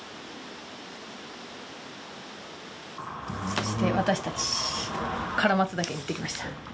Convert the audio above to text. そして私たち唐松岳に行ってきました。